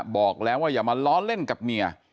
บอกแล้วว่าอย่ามาล้อเล่นกับเมีย